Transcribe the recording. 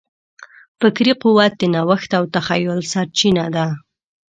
فکري قوت د نوښت او تخیل سرچینه ده.